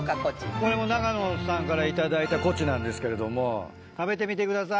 これも永野さんから頂いたコチなんですけれども食べてみてください。